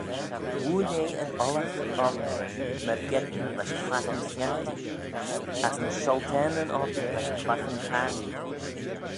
Woaill eh yn ollagh oc myrgeddin lesh claghyn-sniaghtee: as ny shioltaneyn oc lesh claghyn-taarnee.